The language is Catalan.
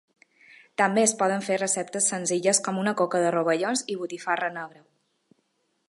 També es poden fer receptes senzilles com una coca de rovellons i botifarra negra.